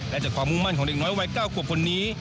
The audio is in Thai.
และจากความมุ่งมั่นของเด็กน้อยวัย๙ขวบคนนี้